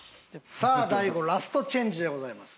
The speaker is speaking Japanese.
さあ大悟ラストチェンジでございます。